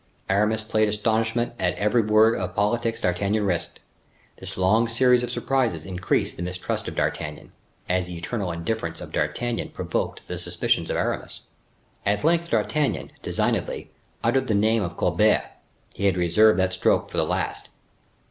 Aramis played astonishment at every word of politics D'Artagnan risked. This long series of surprises increased the mistrust of D'Artagnan, as the eternal indifference of D'Artagnan provoked the suspicions of Aramis. At length D'Artagnan, designedly, uttered the name of Colbert: he had reserved that stroke for the last.